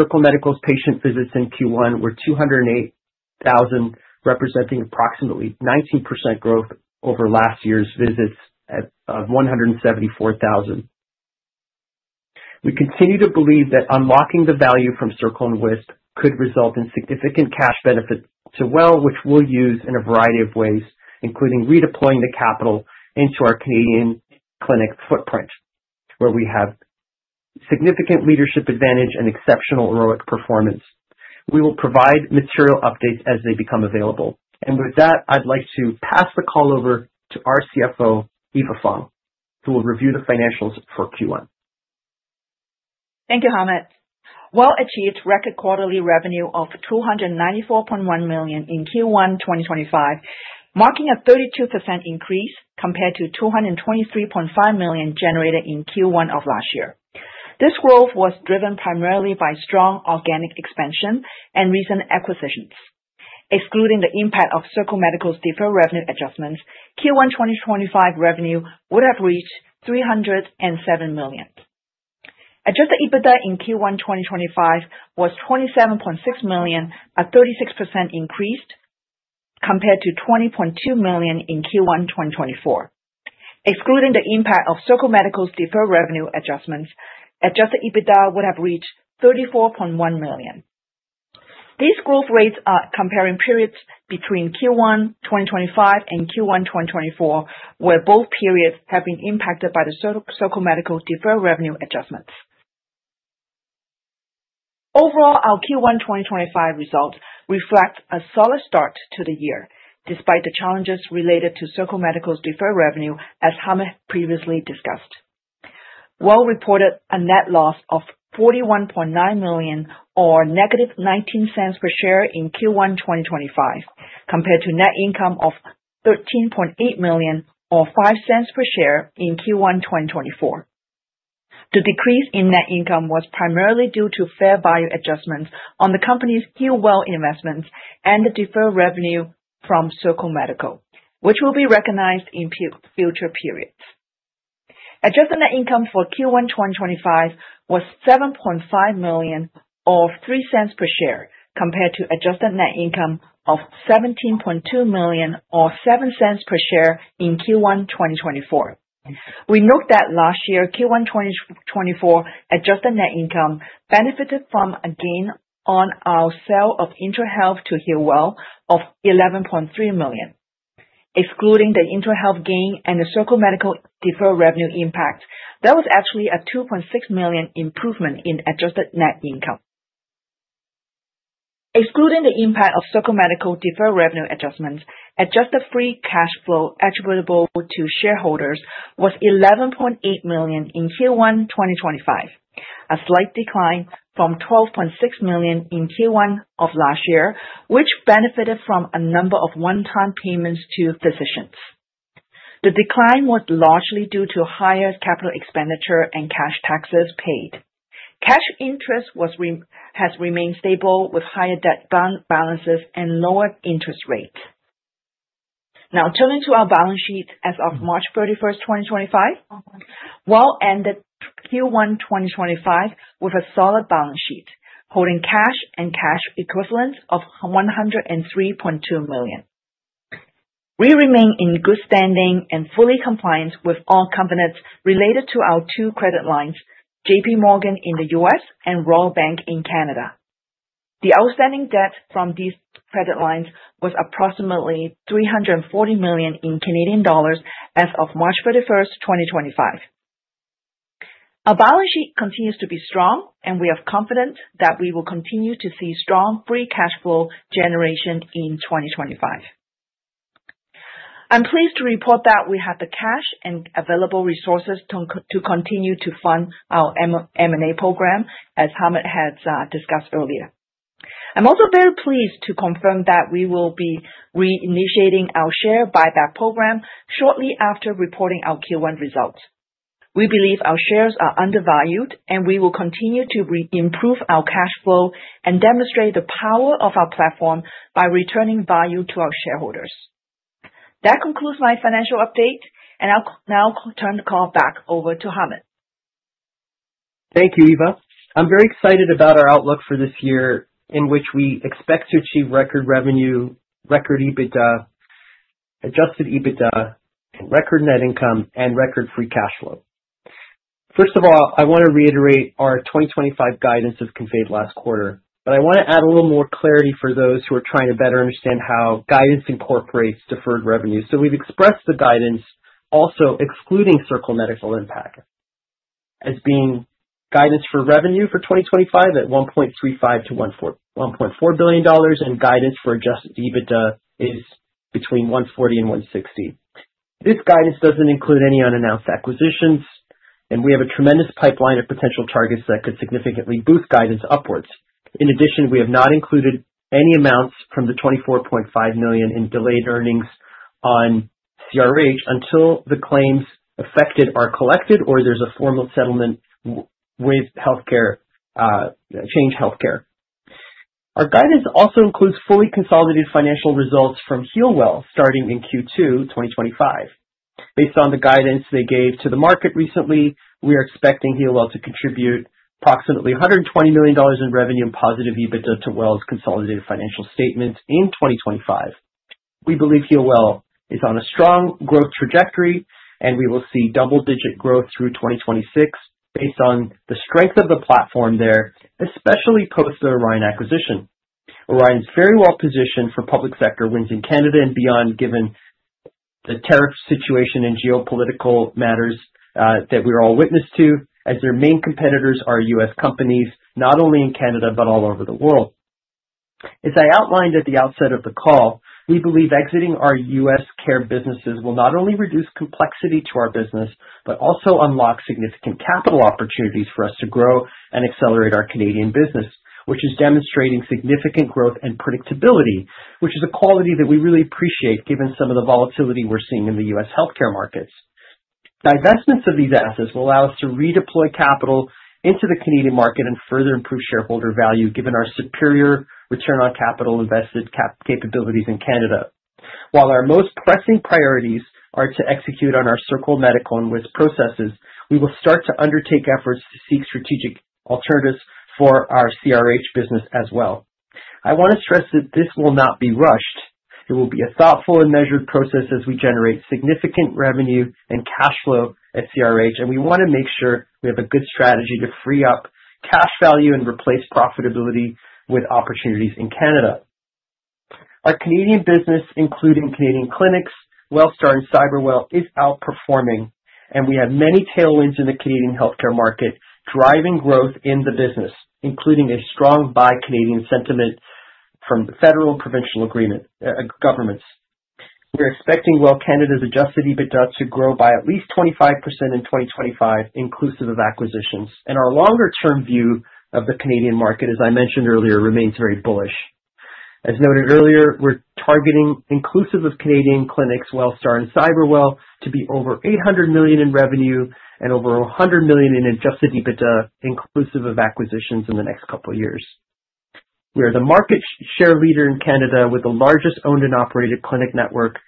Circle Medical's patient visits in Q1 were 208,000, representing approximately 19% growth over last year's visits of 174,000. We continue to believe that unlocking the value from Circle and WISP could result in significant cash benefit to WELL, which we'll use in a variety of ways, including redeploying the capital into our Canadian clinic footprint, where we have significant leadership advantage and exceptional heroic performance. We will provide material updates as they become available. With that, I'd like to pass the call over to our CFO, Eva Fong, who will review the financials for Q1. Thank you, Hamed. WELL achieved record quarterly revenue of 294.1 million in Q1 2025, marking a 32% increase compared to 223.5 million generated in Q1 of last year. This growth was driven primarily by strong organic expansion and recent acquisitions. Excluding the impact of Circle Medical's different revenue adjustments, Q1 2025 revenue would have reached 307 million. Adjusted EBITDA in Q1 2025 was 27.6 million, a 36% increase compared to 20.2 million in Q1 2024. Excluding the impact of Circle Medical's different revenue adjustments, adjusted EBITDA would have reached 34.1 million. These growth rates are comparing periods between Q1 2025 and Q1 2024, where both periods have been impacted by the Circle Medical different revenue adjustments. Overall, our Q1 2025 results reflect a solid start to the year, despite the challenges related to Circle Medical's different revenue, as Hamed previously discussed. WELL reported a net loss of 41.9 million or negative 0.19 per share in Q1 2025, compared to net income of 13.8 million or 0.05 per share in Q1 2024. The decrease in net income was primarily due to fair value adjustments on the company's Q1 investments and the different revenue from Circle Medical, which will be recognized in future periods. Adjusted net income for Q1 2025 was 7.5 million or 0.03 per share, compared to adjusted net income of 17.2 million or 0.07 per share in Q1 2024. We note that last year, Q1 2024, adjusted net income benefited from a gain on our sale of IntraHealth to HealWell of 11.3 million. Excluding the IntraHealth gain and the Circle Medical different revenue impact, there was actually a 2.6 million improvement in adjusted net income. Excluding the impact of Circle Medical different revenue adjustments, adjusted free cash flow attributable to shareholders was 11.8 million in Q1 2025, a slight decline from 12.6 million in Q1 of last year, which benefited from a number of one-time payments to physicians. The decline was largely due to higher capital expenditure and cash taxes paid. Cash interest has remained stable with higher debt balances and lower interest rates. Now, turning to our balance sheet as of March 31, 2025, WELL ended Q1 2025 with a solid balance sheet, holding cash and cash equivalents of 103.2 million. We remain in good standing and fully compliant with all covenants related to our two credit lines, JP Morgan in the U.S. and Royal Bank in Canada. The outstanding debt from these credit lines was approximately 340 million as of March 31, 2025. Our balance sheet continues to be strong, and we are confident that we will continue to see strong free cash flow generation in 2025. I'm pleased to report that we have the cash and available resources to continue to fund our M&A program, as Hamed has discussed earlier. I'm also very pleased to confirm that we will be reinitiating our share buyback program shortly after reporting our Q1 results. We believe our shares are undervalued, and we will continue to improve our cash flow and demonstrate the power of our platform by returning value to our shareholders. That concludes my financial update, and I'll now turn the call back over to Hamed. Thank you, Eva. I'm very excited about our outlook for this year, in which we expect to achieve record revenue, record EBITDA, adjusted EBITDA, record net income, and record free cash flow. First of all, I want to reiterate our 2025 guidance as conveyed last quarter, but I want to add a little more clarity for those who are trying to better understand how guidance incorporates deferred revenue. So we've expressed the guidance, also excluding Circle Medical impact, as being guidance for revenue for 2025 at 1.35 billion-1.4 billion dollars, and guidance for adjusted EBITDA is between 140 million and 160 million. This guidance doesn't include any unannounced acquisitions, and we have a tremendous pipeline of potential targets that could significantly boost guidance upwards. In addition, we have not included any amounts from the 24.5 million in delayed earnings on CRH until the claims affected are collected or there's a formal settlement with Change Healthcare. Our guidance also includes fully consolidated financial results from HealWell starting in Q2 2025. Based on the guidance they gave to the market recently, we are expecting HealWell to contribute approximately 120 million dollars in revenue and positive EBITDA to WELL's consolidated financial statements in 2025. We believe HealWell is on a strong growth trajectory, and we will see double-digit growth through 2026 based on the strength of the platform there, especially post the Orion acquisition. Orion is very well positioned for public sector wins in Canada and beyond, given the tariff situation and geopolitical matters that we're all witnessed to, as their main competitors are U.S. companies, not only in Canada but all over the world. As I outlined at the outset of the call, we believe exiting our U.S. Care businesses will not only reduce complexity to our business but also unlock significant capital opportunities for us to grow and accelerate our Canadian business, which is demonstrating significant growth and predictability, which is a quality that we really appreciate given some of the volatility we're seeing in the U.S. healthcare markets. Divestments of these assets will allow us to redeploy capital into the Canadian market and further improve shareholder value, given our superior return on capital invested capabilities in Canada. While our most pressing priorities are to execute on our Circle Medical and WISP processes, we will start to undertake efforts to seek strategic alternatives for our CRH business as well. I want to stress that this will not be rushed. It will be a thoughtful and measured process as we generate significant revenue and cash flow at CRH, and we want to make sure we have a good strategy to free up cash value and replace profitability with opportunities in Canada. Our Canadian business, including Canadian clinics, WELL Star, and CyberWell, is outperforming, and we have many tailwinds in the Canadian healthcare market driving growth in the business, including a strong buy Canadian sentiment from the federal and provincial governments. We're expecting WELL Canada's adjusted EBITDA to grow by at least 25% in 2025, inclusive of acquisitions, and our longer-term view of the Canadian market, as I mentioned earlier, remains very bullish. As noted earlier, we're targeting, inclusive of Canadian clinics, WELL Star, and CyberWell, to be over 800 million in revenue and over 100 million in adjusted EBITDA, inclusive of acquisitions, in the next couple of years. We are the market share leader in Canada with the largest owned and operated clinic network,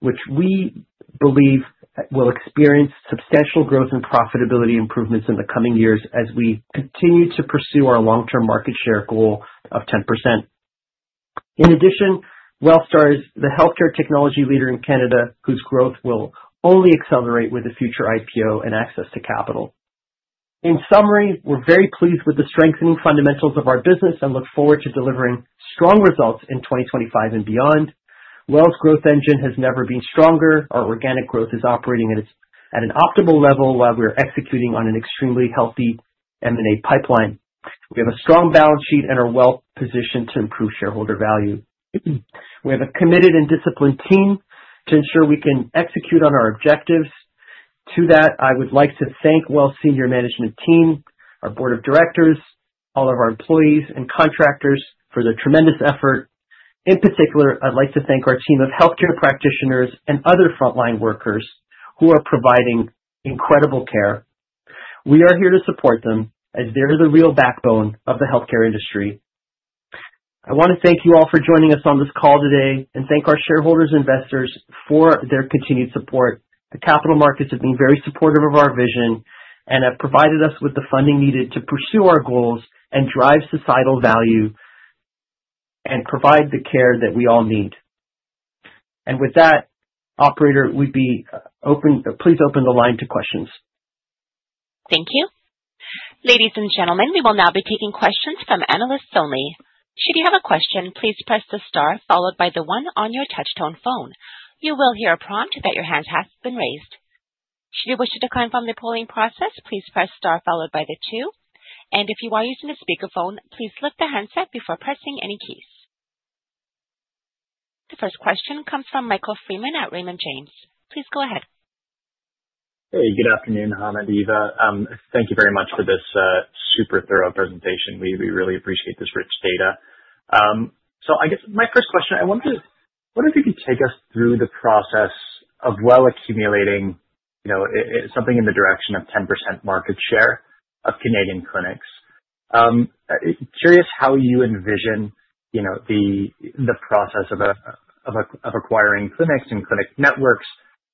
which we believe will experience substantial growth and profitability improvements in the coming years as we continue to pursue our long-term market share goal of 10%. In addition, WELL Star is the healthcare technology leader in Canada whose growth will only accelerate with a future IPO and access to capital. In summary, we're very pleased with the strengthening fundamentals of our business and look forward to delivering strong results in 2025 and beyond. WELL's growth engine has never been stronger. Our organic growth is operating at an optimal level while we're executing on an extremely healthy M&A pipeline. We have a strong balance sheet and are well positioned to improve shareholder value. We have a committed and disciplined team to ensure we can execute on our objectives. To that, I would like to thank WELL's senior management team, our board of directors, all of our employees, and contractors for their tremendous effort. In particular, I'd like to thank our team of healthcare practitioners and other frontline workers who are providing incredible care. We are here to support them as they're the real backbone of the healthcare industry. I want to thank you all for joining us on this call today and thank our shareholders and investors for their continued support. The capital markets have been very supportive of our vision and have provided us with the funding needed to pursue our goals and drive societal value and provide the care that we all need. With that, Operator, we'd be pleased to open the line to questions. Thank you. Ladies and gentlemen, we will now be taking questions from analysts only. Should you have a question, please press the star followed by the one on your touchtone phone. You will hear a prompt that your hand has been raised. Should you wish to decline from the polling process, please press star followed by the two. If you are using a speakerphone, please lift the handset before pressing any keys. The first question comes from Michael Freeman at Raymond James. Please go ahead. Hey, good afternoon, Hamed and Eva. Thank you very much for this super thorough presentation. We really appreciate this rich data. I guess my first question, I wondered what if you could take us through the process of WELL accumulating something in the direction of 10% market share of Canadian clinics. Curious how you envision the process of acquiring clinics and clinic networks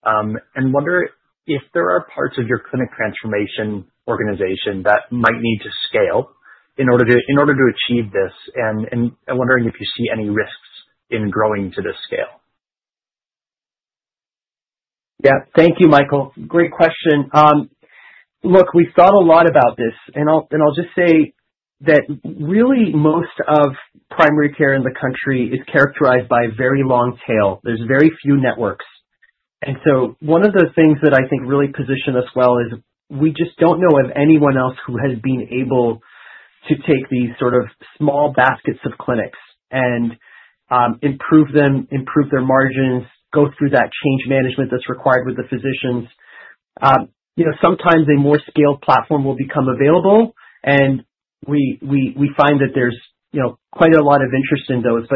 and wonder if there are parts of your clinic transformation organization that might need to scale in order to achieve this. I am wondering if you see any risks in growing to this scale. Yeah. Thank you, Michael. Great question. Look, we've thought a lot about this, and I'll just say that really most of primary care in the country is characterized by a very long tail. There are very few networks. One of the things that I think really positioned us well is we just do not know of anyone else who has been able to take these sort of small baskets of clinics and improve them, improve their margins, go through that change management that is required with the physicians. Sometimes a more scaled platform will become available, and we find that there's quite a lot of interest in those.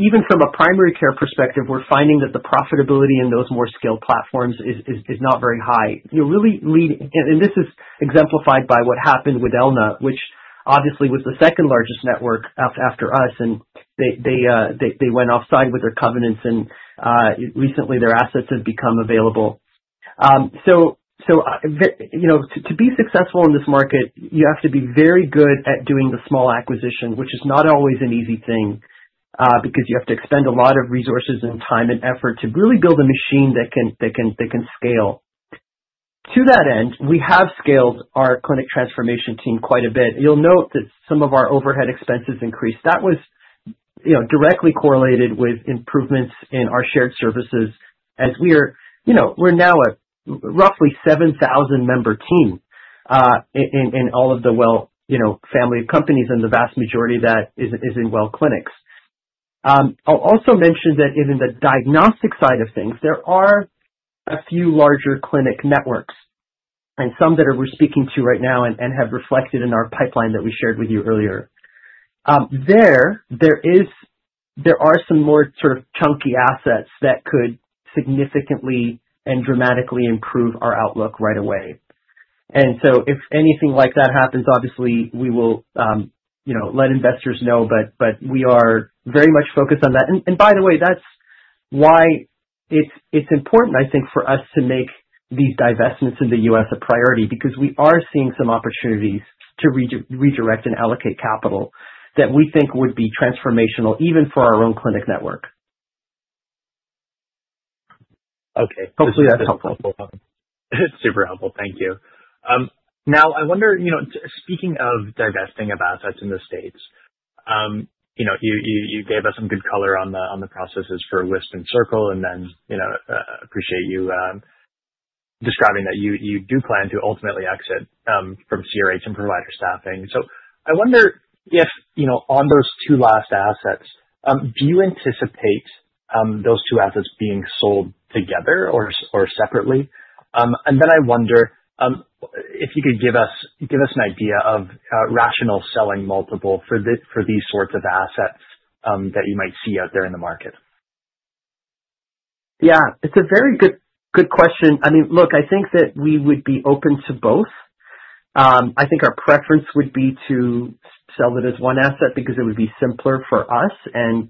Even from a primary care perspective, we're finding that the profitability in those more scaled platforms is not very high. This is exemplified by what happened with Elna, which obviously was the second largest network after us, and they went offside with their covenants, and recently their assets have become available. To be successful in this market, you have to be very good at doing the small acquisition, which is not always an easy thing because you have to expend a lot of resources and time and effort to really build a machine that can scale. To that end, we have scaled our clinic transformation team quite a bit. You'll note that some of our overhead expenses increased. That was directly correlated with improvements in our shared services as we're now a roughly 7,000-member team in all of the WELL family of companies, and the vast majority of that is in WELL clinics. I'll also mention that in the diagnostic side of things, there are a few larger clinic networks and some that we're speaking to right now and have reflected in our pipeline that we shared with you earlier. There are some more sort of chunky assets that could significantly and dramatically improve our outlook right away. If anything like that happens, obviously we will let investors know, but we are very much focused on that. By the way, that's why it's important, I think, for us to make these divestments in the U.S. A priority because we are seeing some opportunities to redirect and allocate capital that we think would be transformational even for our own clinic network. Okay. Hopefully, that's helpful. It's super helpful. Thank you. Now, I wonder, speaking of divesting of assets in the States, you gave us some good color on the processes for WISP and Circle, and then appreciate you describing that you do plan to ultimately exit from CRH and provider staffing. I wonder if on those two last assets, do you anticipate those two assets being sold together or separately? I wonder if you could give us an idea of rational selling multiples for these sorts of assets that you might see out there in the market. Yeah. It's a very good question. I mean, look, I think that we would be open to both. I think our preference would be to sell it as one asset because it would be simpler for us and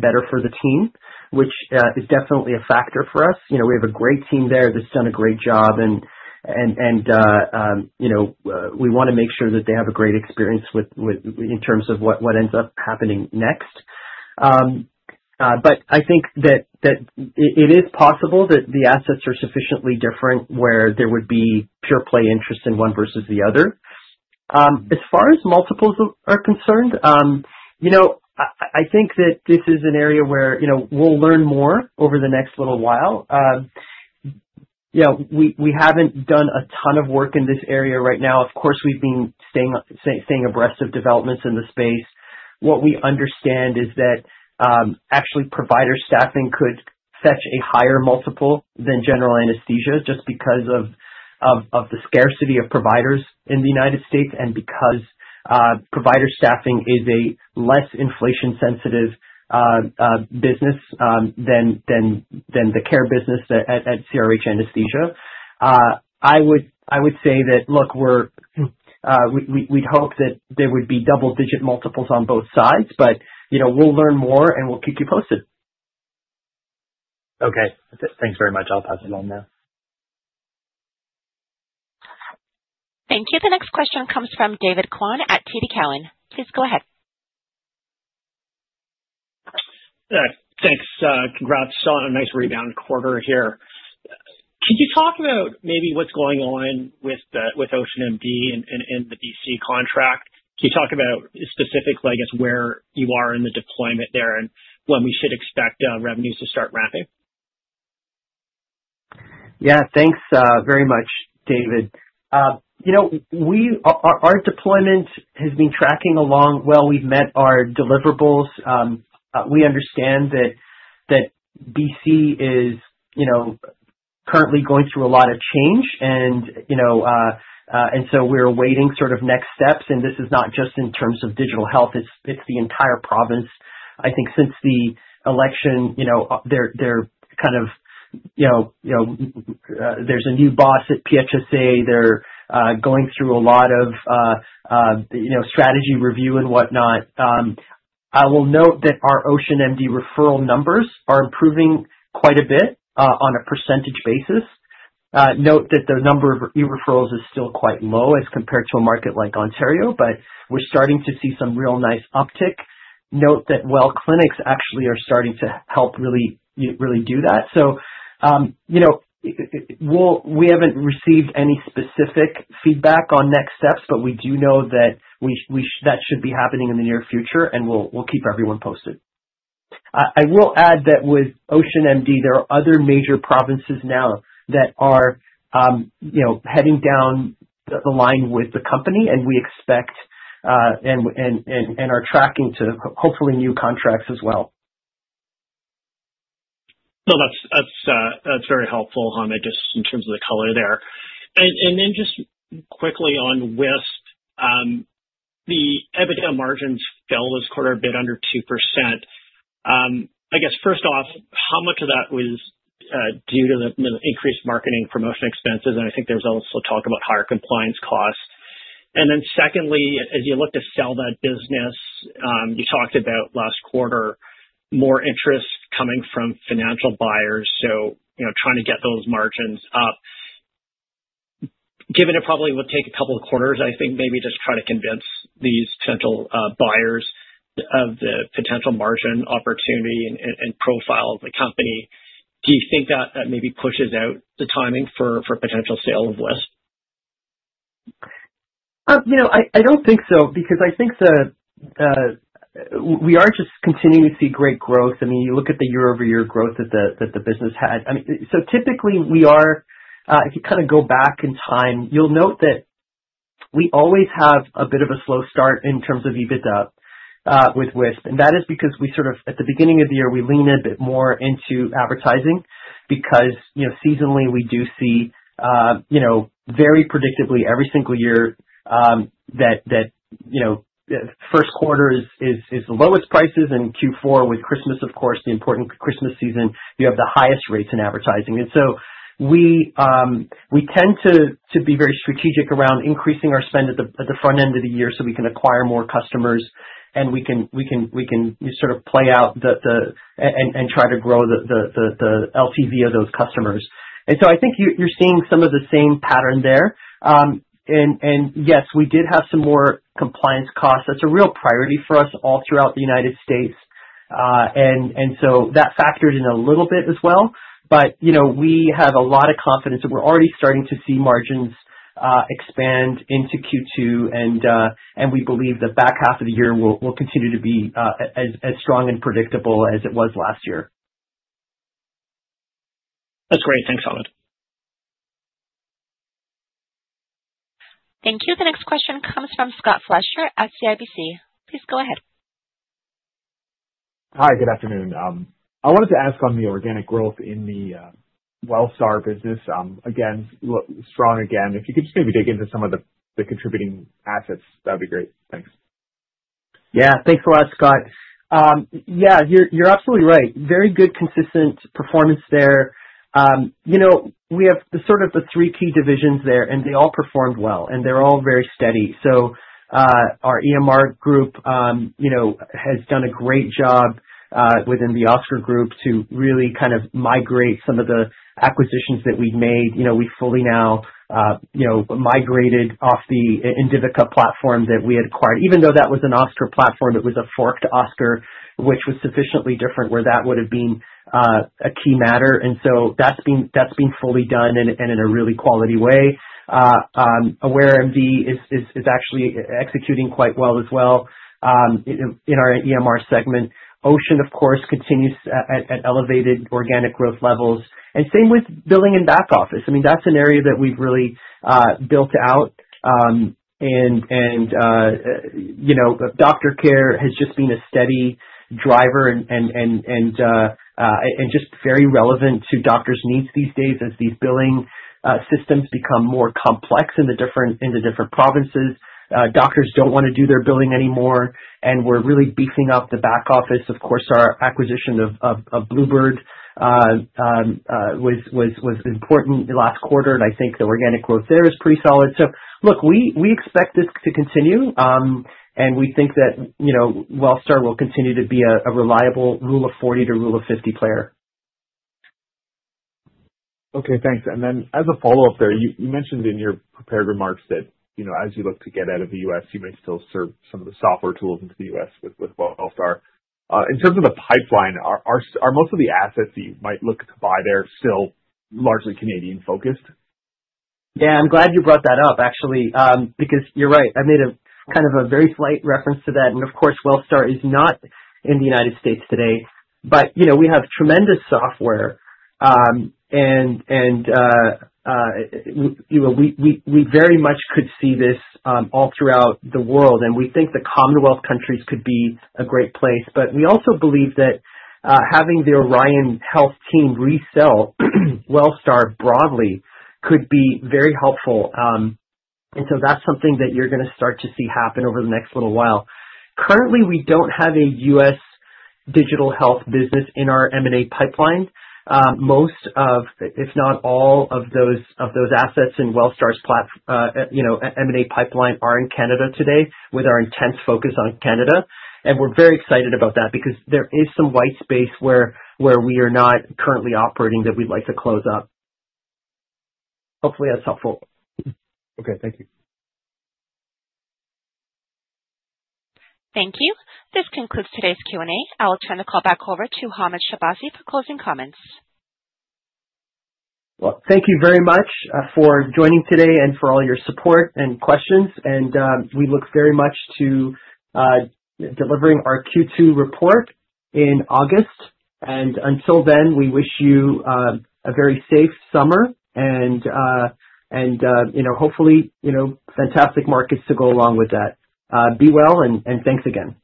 better for the team, which is definitely a factor for us. We have a great team there that's done a great job, and we want to make sure that they have a great experience in terms of what ends up happening next. I think that it is possible that the assets are sufficiently different where there would be pure play interest in one versus the other. As far as multiples are concerned, I think that this is an area where we'll learn more over the next little while. We haven't done a ton of work in this area right now. Of course, we've been staying abreast of developments in the space. What we understand is that actually provider staffing could fetch a higher multiple than general anesthesia just because of the scarcity of providers in the United States and because provider staffing is a less inflation-sensitive business than the care business at CRH anesthesia. I would say that, look, we'd hope that there would be double-digit multiples on both sides, but we'll learn more and we'll keep you posted. Okay. Thanks very much. I'll pass it on now. Thank you. The next question comes from David Kwan at TD Cowen. Please go ahead. Thanks. Congrats on a nice rebound quarter here. Could you talk about maybe what's going on with OceanMD and the BC contract? Could you talk about specifically, I guess, where you are in the deployment there and when we should expect revenues to start ramping? Yeah. Thanks very much, David. Our deployment has been tracking along well. We've met our deliverables. We understand that BC is currently going through a lot of change, and so we're awaiting sort of next steps. This is not just in terms of digital health. It's the entire province. I think since the election, there is a new boss at PHSA. They're going through a lot of strategy review and whatnot. I will note that our OceanMD referral numbers are improving quite a bit on a percentage basis. Note that the number of e-referrals is still quite low as compared to a market like Ontario, but we're starting to see some real nice uptick. Note that WELL clinics actually are starting to help really do that. We haven't received any specific feedback on next steps, but we do know that that should be happening in the near future, and we'll keep everyone posted. I will add that with OceanMD, there are other major provinces now that are heading down the line with the company, and we expect and are tracking to hopefully new contracts as well. No, that's very helpful, Hamed, just in terms of the color there. Then just quickly on WISP, the EBITDA margins fell this quarter a bit under 2%. I guess, first off, how much of that was due to the increased marketing promotion expenses? I think there's also talk about higher compliance costs. Secondly, as you look to sell that business, you talked about last quarter more interest coming from financial buyers, so trying to get those margins up. Given it probably will take a couple of quarters, I think maybe just try to convince these potential buyers of the potential margin opportunity and profile of the company. Do you think that maybe pushes out the timing for potential sale of WISP? I do not think so because I think we are just continuing to see great growth. I mean, you look at the year-over-year growth that the business had. I mean, typically we are, if you kind of go back in time, you'll note that we always have a bit of a slow start in terms of EBITDA with WISP. That is because we sort of at the beginning of the year, we lean a bit more into advertising because seasonally we do see very predictably every single year that first quarter is the lowest prices, and Q4 with Christmas, of course, the important Christmas season, you have the highest rates in advertising. We tend to be very strategic around increasing our spend at the front end of the year so we can acquire more customers, and we can sort of play out the and try to grow the LTV of those customers. I think you're seeing some of the same pattern there. Yes, we did have some more compliance costs. That's a real priority for us all throughout the U.S., and that factored in a little bit as well. We have a lot of confidence that we're already starting to see margins expand into Q2, and we believe the back half of the year will continue to be as strong and predictable as it was last year. That's great. Thanks, Hamed. Thank you. The next question comes from Scott Fletcher at CIBC. Please go ahead. Hi, good afternoon. I wanted to ask on the organic growth in the WELL Star business. Again, strong again. If you could just maybe dig into some of the contributing assets, that'd be great. Thanks. Yeah. Thanks a lot, Scott. Yeah, you're absolutely right. Very good consistent performance there. We have sort of the three key divisions there, and they all performed well, and they're all very steady. Our EMR group has done a great job within the Oscar group to really kind of migrate some of the acquisitions that we've made. We fully now migrated off the Indivica platform that we had acquired. Even though that was an Oscar platform, it was a forked Oscar, which was sufficiently different where that would have been a key matter. That's been fully done and in a really quality way. AwareMD is actually executing quite well as well in our EMR segment. Ocean, of course, continues at elevated organic growth levels. Same with billing and back office. I mean, that's an area that we've really built out. Doctor Care has just been a steady driver and just very relevant to doctors' needs these days as these billing systems become more complex in the different provinces. Doctors do not want to do their billing anymore, and we're really beefing up the back office. Of course, our acquisition of Bluebird was important last quarter, and I think the organic growth there is pretty solid. Look, we expect this to continue, and we think that WELL Star will continue to be a reliable rule of 40 to rule of 50 player. Okay. Thanks. Then as a follow-up there, you mentioned in your prepared remarks that as you look to get out of the U.S., you may still serve some of the software tools into the U.S. with WELL Star. In terms of the pipeline, are most of the assets that you might look to buy there still largely Canadian-focused? Yeah. I'm glad you brought that up, actually, because you're right. I made kind of a very slight reference to that. Of course, WELL Star is not in the United States today, but we have tremendous software, and we very much could see this all throughout the world. We think the Commonwealth countries could be a great place, but we also believe that having the Orion Health team resell WELL Star broadly could be very helpful. That is something that you are going to start to see happen over the next little while. Currently, we do not have a U.S. digital health business in our M&A pipeline. Most of, if not all of, those assets in WELL Star's M&A pipeline are in Canada today with our intense focus on Canada. We are very excited about that because there is some white space where we are not currently operating that we would like to close up. Hopefully, that is helpful. Thank you. Thank you. This concludes today's Q&A. I will turn the call back over to Hamed Shahbazi for closing comments. Thank you very much for joining today and for all your support and questions. We look very much to delivering our Q2 report in August. Until then, we wish you a very safe summer and hopefully fantastic markets to go along with that. Be well, and thanks again.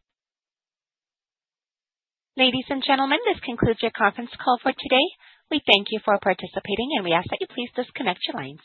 Ladies and gentlemen, this concludes your conference call for today. We thank you for participating, and we ask that you please disconnect your lines.